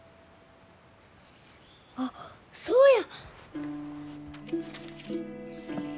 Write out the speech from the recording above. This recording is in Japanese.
あっそうや！